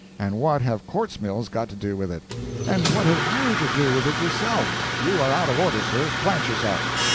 —and what have quartz mills got to do with it—and what have you to do with it yourself? You are out of order, sir—plant yourself.